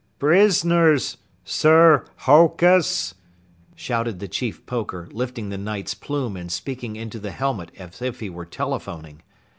"Prisoners Sir Hokus!" shouted the Chief Poker, lifting the Knight's plume and speaking into the helmet as if he were telephoning.